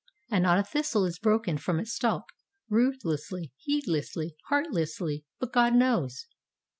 And not a thistle is broken from its stalk, ruth lessly, heedlessly, heartlessly, but God knows.